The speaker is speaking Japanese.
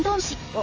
お。